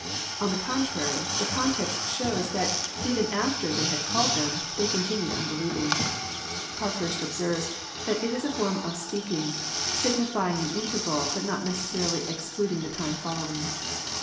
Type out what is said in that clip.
On the contrary, the context shows that even after \ 156 EXPOSITORY IHOUGHTS. • they had called them they contlniied unbelieving. Parkhnrst observes that it is a form of speaking, *' signifying an interyal, but not necessarily exclading the time following."